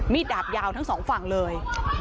ดาบยาวทั้งสองฝั่งเลย